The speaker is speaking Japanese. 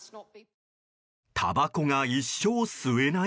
たばこが一生吸えない？